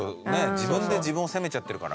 自分で自分を責めちゃってるから。